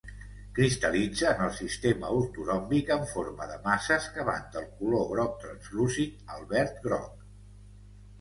Cristal·litza en el sistema ortoròmbic en forma de masses que van del color groc translúcid al verd groc.